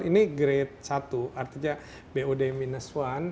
ini grade satu artinya bod minus satu